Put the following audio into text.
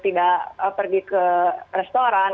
tidak pergi ke restoran